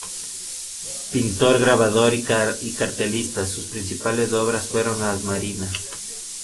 Pintor, grabador y cartelista, sus principales obras fueron las marinas.